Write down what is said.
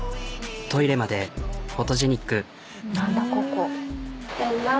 トイレまでフォトジェニック。